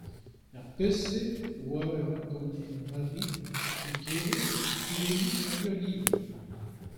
Er pezh-se e a oa ur c’horn-emwalc’hiñ, ur strinkerez, privezioù hag ur gibell.